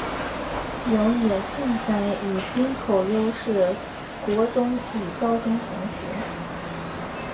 有野晋哉与滨口优是国中与高中同学。